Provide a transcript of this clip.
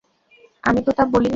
আমি তো তা বলিনি।